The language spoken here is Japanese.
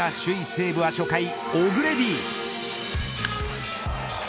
西武は初回オグレディ。